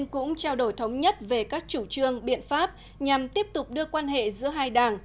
cũng trao đổi thống nhất về các chủ trương biện pháp nhằm tiếp tục đưa quan hệ giữa hai đảng